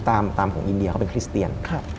ตามของอินเดียเขาเป็นคริสเตียน